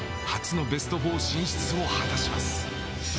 初のベスト４進出を果たします。